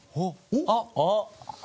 あっ！